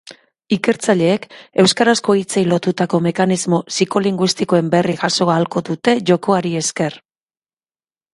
Ikertzaileek euskarazko hitzei lotutako mekanismo psikolinguistikoen berri jaso ahalko dute jokoari esker.